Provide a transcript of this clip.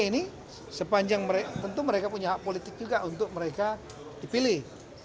ini sepanjang tentu mereka punya hak politik juga untuk mereka dipilih